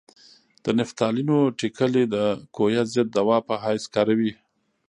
د نفتالینو ټېکلې د کویه ضد دوا په حیث کاروي.